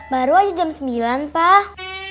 baru aja jam sembilan pak